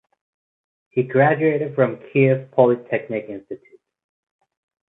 He graduated from Kyiv Polytechnic Institute.